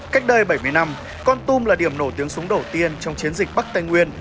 cách đây bảy mươi năm con tum là điểm nổi tiếng súng đầu tiên trong chiến dịch bắc tây nguyên